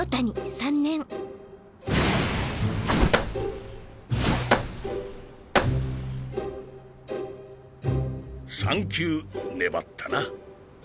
３年３球粘ったな。